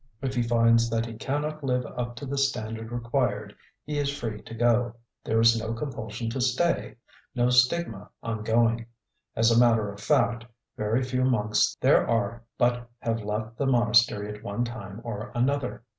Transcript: If he finds that he cannot live up to the standard required, he is free to go. There is no compulsion to stay, no stigma on going. As a matter of fact, very few monks there are but have left the monastery at one time or another.